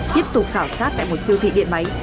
tiếp tục khảo sát tại một siêu thị điện máy